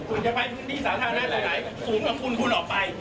คุณจะไปพื้นที่สาธารณะหลายศูนย์กว่าคุณคุณออกไป